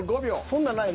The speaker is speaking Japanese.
そんなんない。